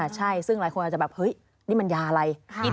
ใช่ซึ่งหลายคนอาจจะแบบเฮ้ยนี่มันยาอะไร